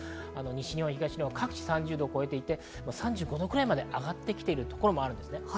西日本、東日本、各地３０度超えていて３５度くらいまで上がってきているところもあります。